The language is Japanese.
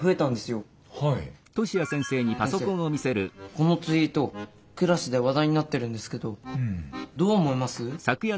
このツイートクラスで話題になってるんですけどどう思います？